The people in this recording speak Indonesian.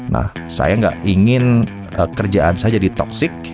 nah saya gak ingin kerjaan saya jadi toxic